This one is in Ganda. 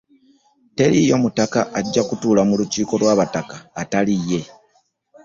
Teriiyo mutaka ajja kutuula mu lukiiko lw'abataka atali ye